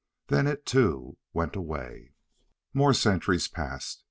Then it, too, went away. More centuries passed.